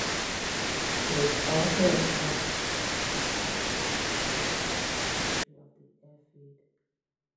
There is also a small aviation museum which chronicles the history of the airfield.